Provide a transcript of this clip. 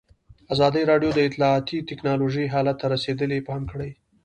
ازادي راډیو د اطلاعاتی تکنالوژي حالت ته رسېدلي پام کړی.